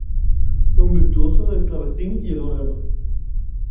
Fue un virtuoso del clavecín y el órgano.